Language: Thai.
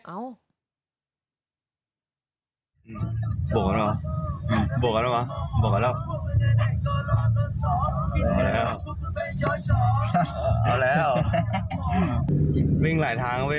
มาสิปั๊บหน่อย